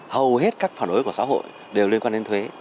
hầu hết các phản đối của xã hội đều liên quan đến thuế